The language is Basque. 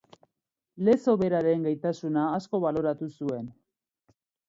Lezo beraren gaitasuna asko baloratu zuen.